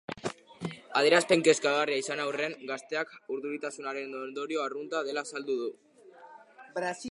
Adierazpen kezkagarria izan arren, gazteak urduritasunaren ondorio arrunta dela azaldu du.